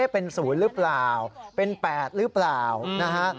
เป็น๐หรือเปล่าเป็น๘หรือเปล่านะฮะ